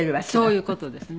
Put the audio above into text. そういう事ですね。